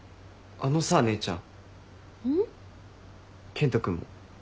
健人君も。